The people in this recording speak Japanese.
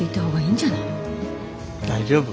大丈夫。